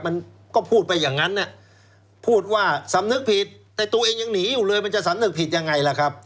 มันก็พูดไปอย่างนั้นพูดว่าสำนึกผิดแต่ตัวเองยังหนีอยู่เลยมันจะสำนึกผิดยังไงล่ะครับ